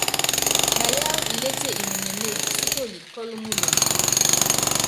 Na yááwu ilétie imenyenée, síkoli kɔ́lɔ muloŋo.